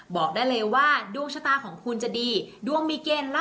ส่งผลทำให้ดวงชะตาของชาวราศีมีนดีแบบสุดเลยนะคะ